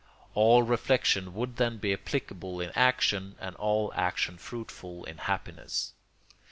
All reflection would then be applicable in action and all action fruitful in happiness.